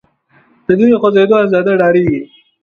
د دوی د خوځیدو اندازه ډیریږي.